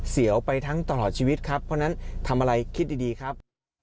เสียวไปทั้งตลอดชีวิตครับเพราะฉะนั้นทำอะไรคิดดีครับ